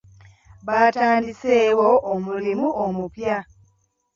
Batandiseewo omulimu omupya.